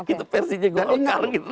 itu versinya golkar